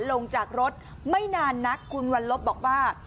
โดยสารลงจากรถไม่นานนักคุณวรรณลบบอกว่า